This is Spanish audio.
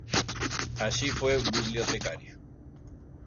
Allí fue bibliotecario.